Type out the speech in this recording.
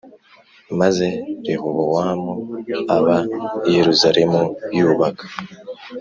Maze Rehobowamu aba i Yerusalemu yubaka